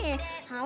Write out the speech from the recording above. gue gak mau